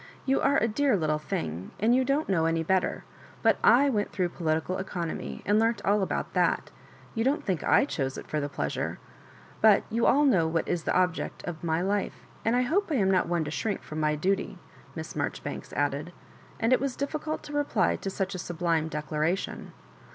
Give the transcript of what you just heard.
"You are a dear little thing, and you don't know any better ; but /went through Political Economy, and learnt all about that.; — you don't think / choose it for the pleasure ? But you all know what is the object of my life, and I hope I am not one to shrink from my duty," Miss Marjoribanks added. And it was difficult to reply to such a sublime decla ration.